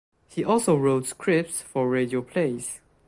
He also wrote scripts for radio plays.